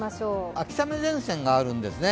秋雨前線があるんですね。